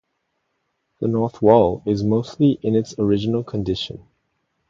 The north wall is mostly in its original condition.